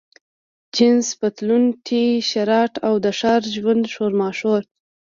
جینس پتلون، ټي شرټ، او د ښار د ژوند شورماشور.